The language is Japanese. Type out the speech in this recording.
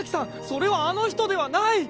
それはあの人ではない！